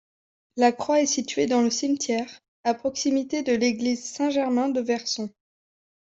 La croix est située dans le cimetière, à proximité de l'Église Saint-Germain de Verson.